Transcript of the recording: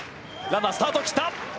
ランナースタートを切った。